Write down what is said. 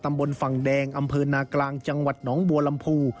บนฝั่งแดงอำเภอนากลางจังหวัดหนองบัวลำพู